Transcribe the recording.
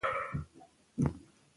ماشینونه کثافات لرې کوي.